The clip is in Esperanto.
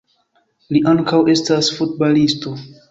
Li ankaŭ estas futbalisto.